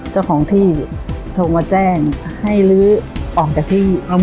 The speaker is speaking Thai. เจ้าของที่โทรมาแจ้งให้ลื้อออกจากที่